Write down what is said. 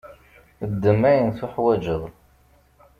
Ddem ayen tuḥwaǧeḍ.